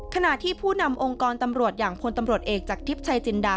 ขณะที่ผู้นำองค์กรตำรวจอย่างพลตำรวจเอกจากทิพย์ชัยจินดา